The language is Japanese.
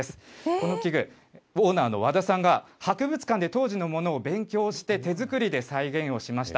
この器具、オーナーの和田さんが博物館で当時のものを勉強して、手作りで再現をしました。